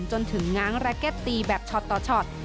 จนถึงง้างแร็ตตีแบบช็อตต่อช็อต